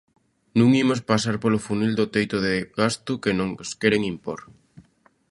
"Non imos pasar polo funil do teito de gasto que nos queren impor".